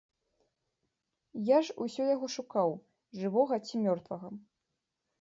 Я ж усё яго шукаў, жывога ці мёртвага.